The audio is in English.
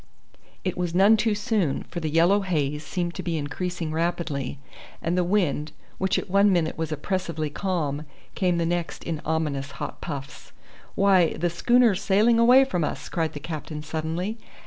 It was none too soon, for the yellow haze seemed to be increasing rapidly, and the wind, which at one minute was oppressively calm, came the next in ominous hot puffs. "Why, the schooner's sailing away from us," cried the captain suddenly.